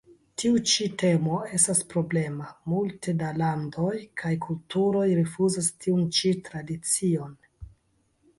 Tiu ĉi temo estas problema, multe da landoj kaj kulturoj rifuzas tiun ĉi tradicion.